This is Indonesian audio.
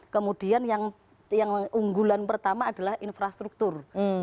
kemudian yang unggulan pertama adalah infrastruktur